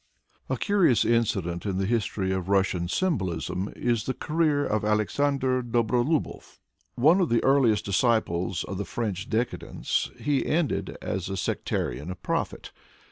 A curious incident in the history of Russian symbolism IS the career of Alexander Dobrolubov. One of the earliest disciples of the French decadents, he ended as a xvi Introduction sectarian prophet.